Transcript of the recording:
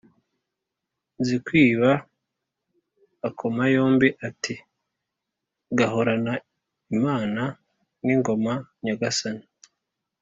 , Nzikwiba akoma yombi ati: "Gahorane Imana n' ingoma Nyagasani"